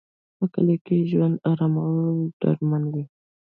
په کلي کې ژوند ارام او ډاډمن وي.